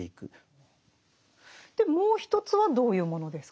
でもう一つはどういうものですか？